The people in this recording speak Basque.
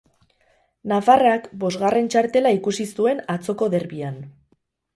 Nafarrak bosgarren txartela ikusi zuen atzoko derbian.